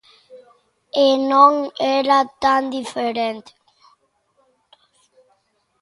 E non era tan diferente.